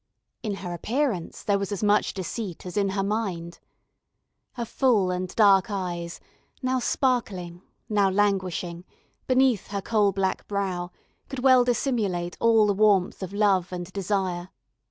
In her appearance, there was as much deceit as in her mind. Her full and dark eyes, now sparkling, now languishing, beneath her coal black brow, could well dissimulate all the warmth of love and desire.